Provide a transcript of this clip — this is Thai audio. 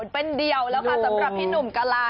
เป็นเดียวแล้วค่ะสำหรับพี่หนุ่มกะลา